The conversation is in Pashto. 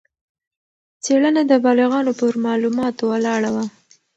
څېړنه د بالغانو پر معلوماتو ولاړه وه.